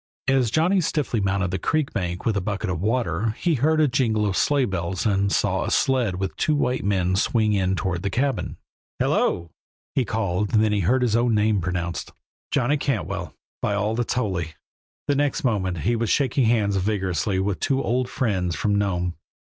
As Johnny stiffly mounted the creek bank with a bucket of water he heard a jingle of sleighbells and saw a sled with two white men swing in toward the cabin. "Hello!" he called, then heard his own name pronounced. "Johnny Cantwell, by all that's holy!" The next moment he was shaking hands vigorously with two old friends from Nome.